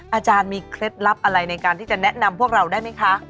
อาจารย์มีเคล็ดลับอะไรในการที่จะแนะนำพวกเราได้ไหมคะ